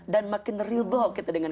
dan makin ridho kita dengan